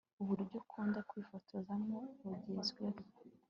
Uburyo akunda kwifotozamo bugezweho